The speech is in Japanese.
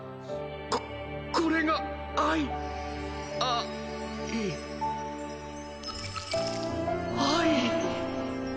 ここれが愛あい愛！